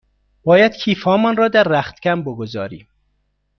باید کیف هامان را در رختکن بگذاریم.